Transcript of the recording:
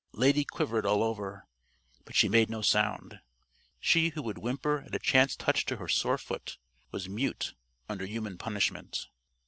Lady quivered all over. But she made no sound. She who would whimper at a chance touch to her sore foot, was mute under human punishment.